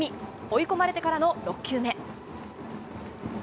追い込まれてからの６球目。